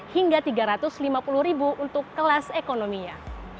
hingga rp tiga ratus lima puluh untuk kelas ekonominya